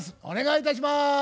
お願いいたします。